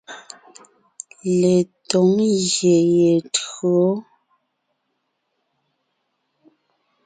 Letǒŋ ngyè ye tÿǒ.